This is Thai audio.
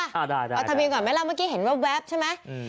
เอาทะเบียนก่อนไหมล่ะเมื่อกี้เห็นแว๊บใช่ไหม